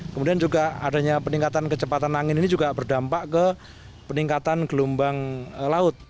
kemudian juga adanya peningkatan kecepatan angin ini juga berdampak ke peningkatan gelombang laut